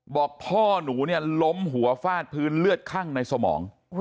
บอกพ่อหนูเนี่ยล้มหัวฟาดพื้นเลือดคั่งในสมอง